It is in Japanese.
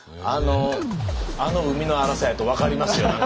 あの海の荒さやと分かりますよ。